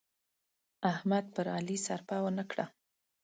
احمد پر علي سرپه و نه کړه.